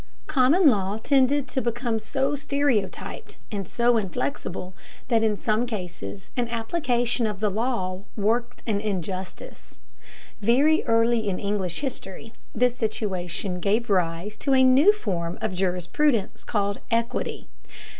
Common law tended to become so stereotyped and so inflexible that in some cases an application of the law worked an injustice. Very early in English history this situation gave rise to a new form of jurisprudence called equity.